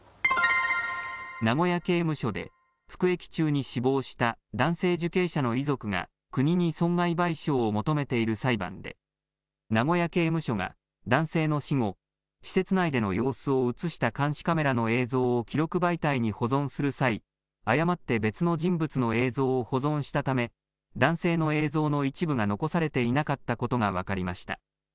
名古屋刑務所で服役中に死亡した男性受刑者の遺族が国に損害賠償を求めている裁判で、名古屋刑務所が男性の死後、施設内での様子を写した監視カメラの映像を記録媒体に保存する際、誤って別の人物の映像を保存したため、男性の映像の一部が残されていなかったことが分かりました。